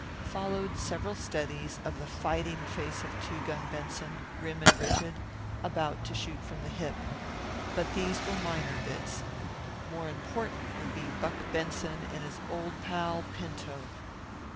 Followed several studies of the fighting face of Two Gun Benson, grim and rigid, about to shoot from the hip. But these were minor bits. More important would be Buck Benson and his old pal, Pinto.